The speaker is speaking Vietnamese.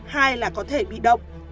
hai là có thể bị động